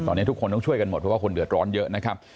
ตอนนี้ทุกคนต้องช่วยกันหมดเพราะว่าคนเดือดร้อนเยอะนะครับ